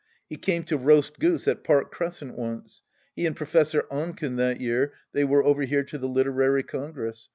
He came to roast goose at Park Crescent, once— he and Professor Oncken that year they were over here to the Literary Congress.